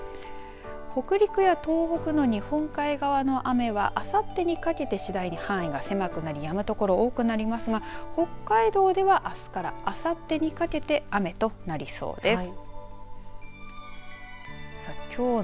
北陸や東北の日本海側の雨はあさってにかけて次第に範囲が狭くなりやむ所多くなりますが北海道では、あすからあさってにかけて雨となりそうです。